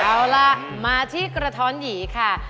เอาล่ะมาที่กระท้อนหยีค่ะ